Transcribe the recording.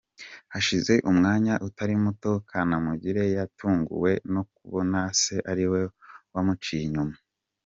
Hashize umwanya utari muto Kanamugire yatunguwe no kubona se ariwe wamuciye inyuma.